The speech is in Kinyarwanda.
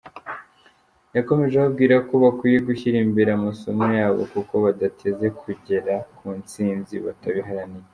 Yakomeje ababwira ko bakwiye gushyira imbere amasomo yabo kuko badateze kugera ku ntsinzi batabiharaniye.